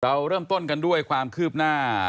เราเริ่มต้นกันด้วยความคืบหน้า